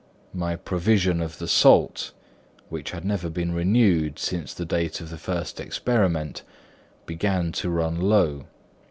My provision of the salt, which had never been renewed since the date of the first experiment, began to run low.